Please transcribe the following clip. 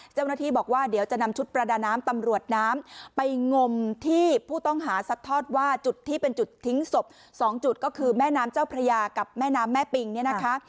เจ้าหน้าที่บอกว่าเดี๋ยวจะนำชุดประดาน้ำตำรวจน้ำไปงมที่ผู้ต้องหาซัดทอดว่าจุดที่เป็นจุดทิ้งศพ๒จุดก็คือแม่น้ำเจ้าพระยากับแม่น้ำแม่ปิงเนี่ยนะคะ